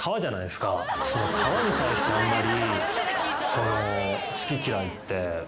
「皮」に対してあんまり。